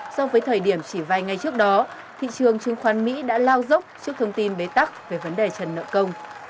trước thời điểm chỉ vai ngay trước đó thị trường chứng khoán mỹ đã lao dốc trước thông tin bế tắc về vấn đề trần nợ công